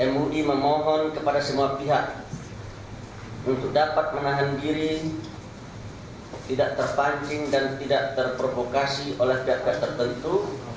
mui memohon kepada semua pihak untuk dapat menahan diri tidak terpancing dan tidak terprovokasi oleh pihak pihak tertentu